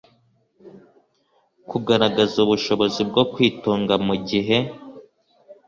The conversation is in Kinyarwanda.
kugaragaza ubushobozi bwo kwitunga mu gihe